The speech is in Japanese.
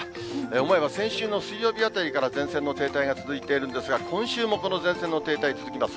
思えば先週の水曜日あたりから、前線の停滞が続いてるんですが、今週もこの前線の停滞続きます。